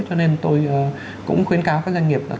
cho nên tôi cũng khuyến cáo các doanh nghiệp